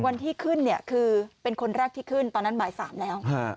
วันที่ขึ้นเนี่ยคือเป็นคนแรกที่ขึ้นตอนนั้นบ่าย๓แล้ว